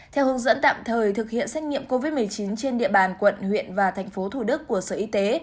theo hướng dẫn tạm thời thực hiện xét nghiệm covid một mươi chín trên địa bàn quận huyện và thành phố thủ đức của sở y tế